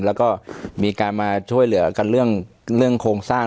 แล้วก็มีการมาช่วยเหลือกันเรื่องโครงสร้าง